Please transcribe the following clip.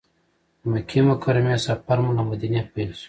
د مکې مکرمې سفر مو له مدینې پیل شو.